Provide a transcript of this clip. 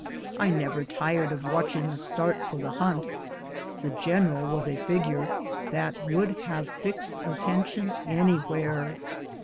I never tired of watching the start for the hunt. The general was a figure that would have fixed attention anywhere.